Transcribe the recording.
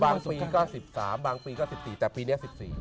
บางปี๑๓บางปี๑๔แต่ปีนี้๑๔